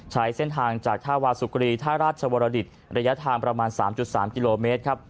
ใช้เส้นทางจากท่าวาสุกรีท่าราชวรดิตระยะทางประมาณ๓๓กิโลเมตรครับ